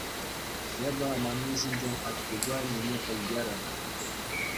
Эпӗ аманни ҫинчен аттепе аннене пӗлтерӗр.